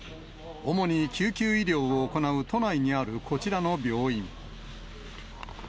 主に救急医療を行う都内にあるこちらの病院。